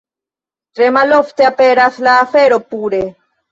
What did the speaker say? Tre malofte aperas la fero pure.